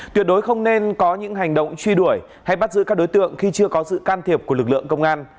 tuyệt đối không nên có những hành động truy đuổi hay bắt giữ các đối tượng khi chưa có sự can thiệp của lực lượng công an